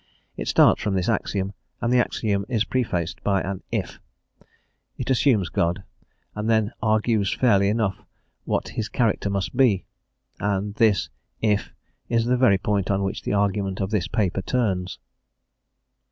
It starts from this axiom, and the axiom is prefaced by an "if." It assumes God, and then argues fairly enough what his character must be. And this "if" is the very point on which the argument of this paper turns.